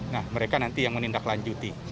nah mereka nanti yang menindaklanjuti